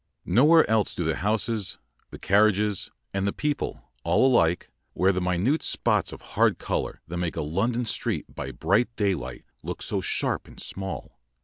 Nowhere else do the houses, the carriages, and the people, all alike, wear the minute spots of hard colour that make a London street by bright daylight look so sharp and small.